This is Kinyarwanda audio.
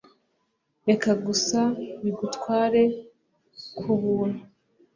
reka gusa bigutware kubuntu